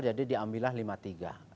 jadi diambillah lima puluh tiga